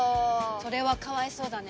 それはかわいそうだね。